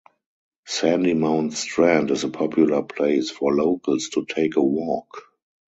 Sandymount Strand is a popular place for locals to take a walk.